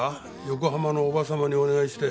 横浜のおばさまにお願いして。